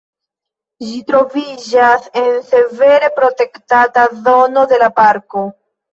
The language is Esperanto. Ĝi troviĝas en severe protektata zono de la parko.